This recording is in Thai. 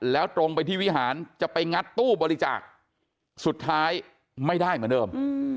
แล้วตรงไปที่วิหารจะไปงัดตู้บริจาคสุดท้ายไม่ได้เหมือนเดิม